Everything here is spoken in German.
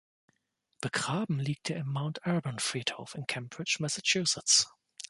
Begraben liegt er im Mount Auburn-Friedhof in Cambridge, Massachusetts.